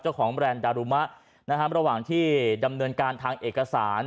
แบรนด์ดารุมะระหว่างที่ดำเนินการทางเอกสาร